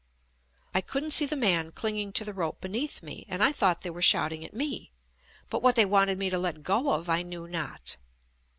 I couldn't see the man clinging to the rope beneath me and I thought they were shouting at me, but what they wanted me to let go of I knew not.